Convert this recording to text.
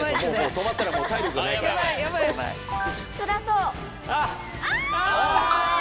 止まったらもう体力がないからつらそうあっああーっ！